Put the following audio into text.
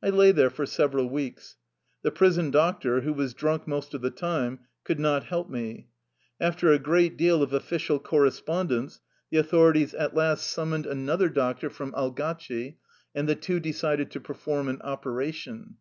I lay there for several weeks. The prison doc tor, who was drunk most of the time, could not help me. After a great deal of official corres pondence the authorities at last summoned an 194 THE LIFE STOEY OF A RUSSIAN EXILE other doctor from Algatchl, and the two decided to perform an operation.